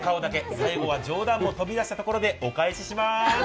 最後は冗談も飛び出したところでお返ししまーす。